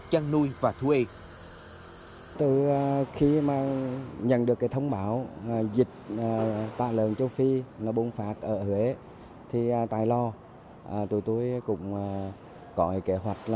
chân nuôi và thuê